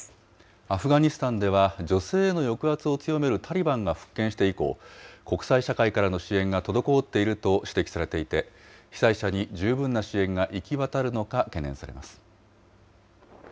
アフガニスタンでは、女性への抑圧を強めるタリバンが復権して以降、国際社会からの支援が滞っていると指摘されていて、被災者に十分な支援が行き渡るのか懸念されます。